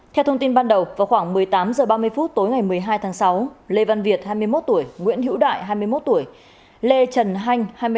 theo thông tin ban đầu vào khoảng một mươi tám h ba mươi phút tối ngày một mươi hai tháng sáu lê văn việt hai mươi một tuổi nguyễn hữu đại hai mươi một tuổi lê trần hanh